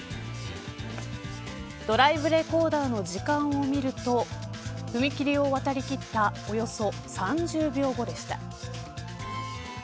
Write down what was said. ドライブレコーダーの時間を見ると踏切を渡りきったおよそ３０秒後でした。